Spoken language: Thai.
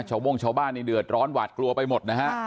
โม่งชาวบ้านนี่เดือดร้อนหวาดกลัวไปหมดนะฮะ